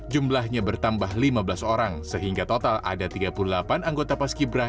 jumlahnya bertambah lima belas orang sehingga total ada tiga puluh delapan anggota paski beraka